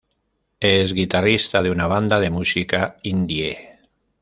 Es guitarrista de una banda de música indie.